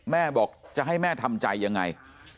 แม่บอกจะให้แม่ทำใจยังไง